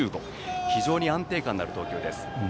非常に安定感のある投球です。